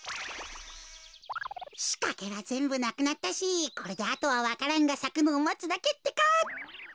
しかけはぜんぶなくなったしこれであとはわか蘭がさくのをまつだけってか。